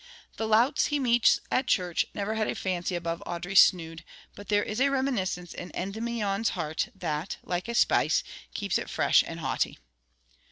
The louts he meets at church never had a fancy above Audrey's snood; but there is a reminiscence in Endymion's heart that, like a spice, keeps it fresh and haughty.